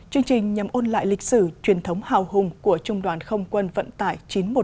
chương trình nhằm ôn lại lịch sử truyền thống hào hùng của trung đoàn không quân vận tải chín trăm một mươi chín